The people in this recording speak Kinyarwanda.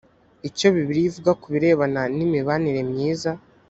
icyo bibiliya ivuga ku birebana n imibanire myiza